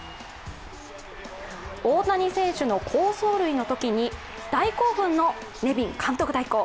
大谷選手の好走塁のときに大興奮のネビン監督代行。